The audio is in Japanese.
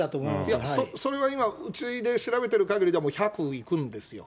それは今、うちで調べてるかぎりでは、１００いくんですよ。